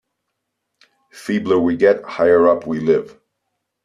Feebler we get, higher up we live.